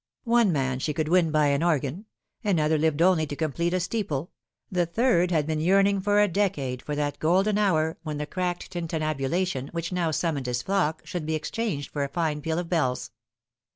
One man she could win by an organ ; another lived only to complete a steeple; the third had been yearning for a decade for that golden hour when the cracked tintinabulation which now summoned hia flock should be exchanged for a fine peal of bells.